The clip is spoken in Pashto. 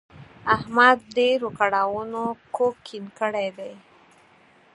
احمد ډېرو کړاوونو کوږ کیڼ کړی دی.